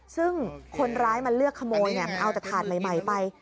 ซึ่งคนร้ายมาเลือกขโมยเอาแต่ถาดใหม่ไป